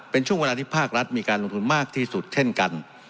เป็นช่วงเวลาที่ภาครัฐมีการลงทุนมากที่สุดเช่นกัน